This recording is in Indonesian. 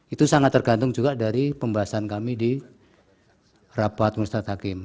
itu sangat tergantung juga dari pembahasan kami di rapat mustad hakim